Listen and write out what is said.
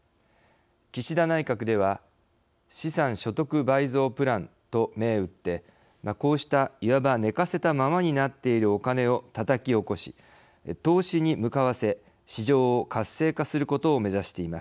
岸田内閣では資産所得倍増プランと銘打ってこうしたいわば寝かせたままになっているお金をたたき起こし投資に向かわせ市場を活性化することを目指しています。